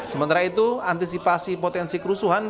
sementara itu antisipasi potensi kerusuhan